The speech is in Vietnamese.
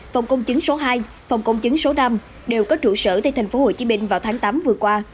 phòng công chứng số hai phòng công chứng số năm đều có trụ sở tại tp hcm vào tháng tám vừa qua